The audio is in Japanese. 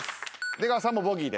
出川さんもボギーです